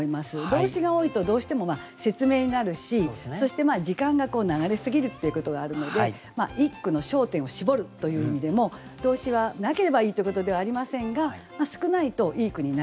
動詞が多いとどうしても説明になるしそして時間が流れ過ぎるっていうことがあるので一句の焦点を絞るという意味でも動詞はなければいいっていうことではありませんが少ないといい句になりやすいんですね。